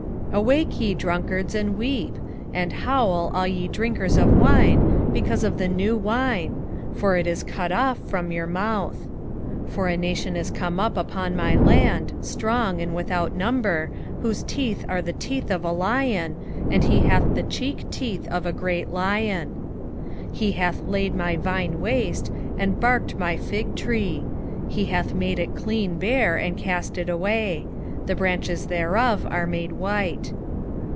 1:5 Awake, ye drunkards, and weep; and howl, all ye drinkers of wine, because of the new wine; for it is cut off from your mouth. 1:6 For a nation is come up upon my land, strong, and without number, whose teeth are the teeth of a lion, and he hath the cheek teeth of a great lion. 1:7 He hath laid my vine waste, and barked my fig tree: he hath made it clean bare, and cast it away; the branches thereof are made white.